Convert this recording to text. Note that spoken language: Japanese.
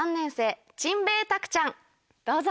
どうぞ。